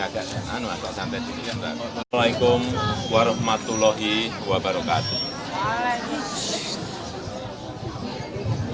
kami mengucapkan selamat dari raya idul fitri